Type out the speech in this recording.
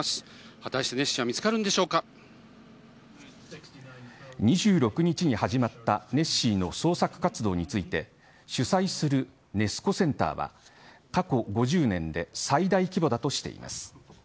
果たしてネッシーは２６日に始まったネッシーの捜索活動について主催するネス湖センターは過去５０年で最大規模だとしています。